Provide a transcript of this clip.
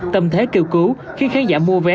tâm thế kêu cứu khi khán giả mua vé